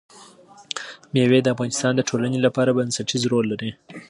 مېوې د افغانستان د ټولنې لپاره بنسټيز رول لري.